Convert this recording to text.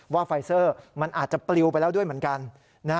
ไฟเซอร์มันอาจจะปลิวไปแล้วด้วยเหมือนกัน